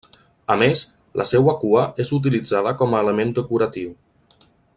A més, la seua cua és utilitzada com a element decoratiu.